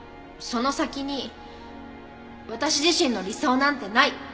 その先に私自身の理想なんてない。